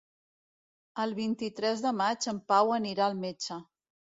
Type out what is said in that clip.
El vint-i-tres de maig en Pau anirà al metge.